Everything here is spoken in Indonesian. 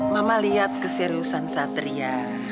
mama lihat keseriusan satria